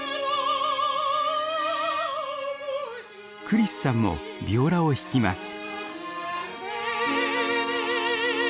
クリスさんもビオラを弾きます。